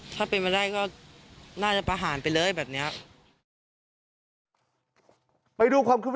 ถ้าเป็นวันแรกก็น่าจะประหารไปเลยแบบนี้